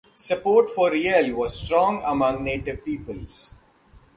Support for Riel was strong among native peoples.